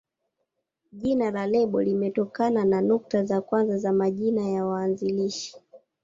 Jina la lebo limetokana na nukta za kwanza za majina ya waanzilishi.